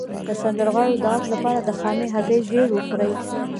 د سندرغاړو د غږ لپاره د خامې هګۍ ژیړ وخورئ